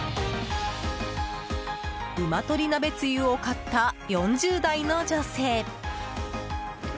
うま鶏鍋つゆを買った４０代の女性。